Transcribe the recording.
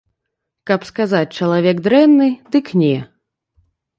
Каб сказаць чалавек дрэнны, дык не.